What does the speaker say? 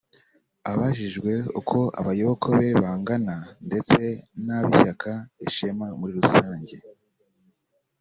Abajijwe uko abayoboke be bangana ndetse n’ab’ishyaka Ishema muri rusange